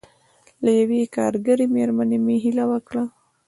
له یوې کارګرې مېرمنې مې هیله وکړه.